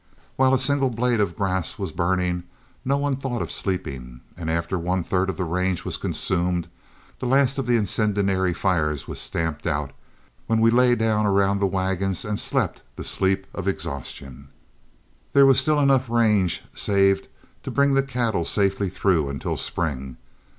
While a single blade of grass was burning, no one thought of sleeping, and after one third of the range was consumed, the last of the incendiary fires was stamped out, when we lay down around the wagons and slept the sleep of exhaustion. There was still enough range saved to bring the cattle safely through until spring.